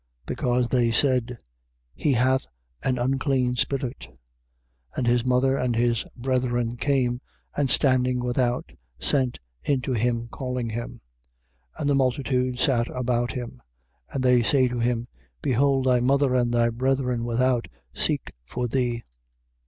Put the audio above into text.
3:30. Because they said: He hath an unclean spirit. 3:31. And his mother and his brethren came; and standing without, sent unto him, calling him. 3:32. And the multitude sat about him; and they say to him: Behold thy mother and thy brethren without seek for thee.